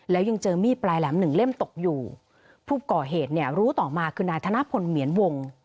แล้วยังเจอมีดปลายแหลมหนึ่งเล่มตกอยู่ผู้ก่อเหตุเนี่ยรู้ต่อมาคือนายธนพลเหมียนวง